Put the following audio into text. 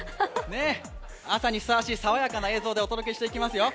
朝にふさわしい爽やかな映像でお届けしていきますよ。